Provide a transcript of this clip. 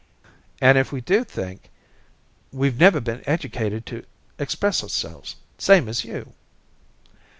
"And if we do think we've never been educated to express ourselves, same as you!"